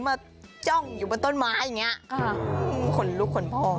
จ้องอยู่บนต้นไม้อย่างนี้คนลุกคนพ่อ